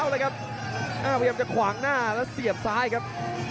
พยายามจะขวางหน้าแล้วเสียบซ้ายครับ